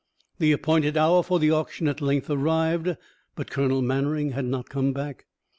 The appointed hour for the auction at length arrived, but Colonel Mannering had not come back.